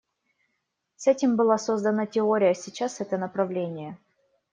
С этим была создана теория, сейчас это направление.